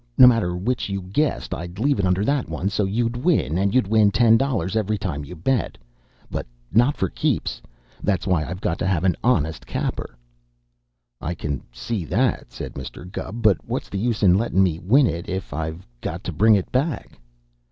No matter which you guessed, I'd leave it under that one, so'd you'd win, and you'd win ten dollars every time you bet but not for keeps. That's why I've got to have an honest capper." "I can see that," said Mr. Gubb; "but what's the use lettin' me win it if I've got to bring it back?"